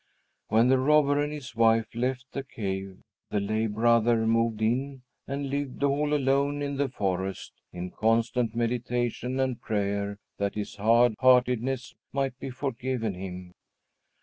When the robber and his wife left the cave, the lay brother moved in and lived all alone in the forest, in constant meditation and prayer that his hard heartedness might be forgiven him.